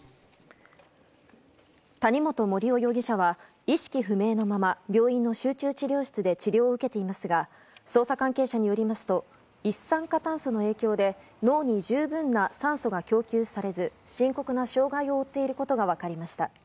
谷本盛雄容疑者は意識不明のまま病院の集中治療室で治療を受けていますが捜査関係者によりますと一酸化炭素の影響で脳に十分な酸素が供給されず深刻な障害を負っていることが分かりました。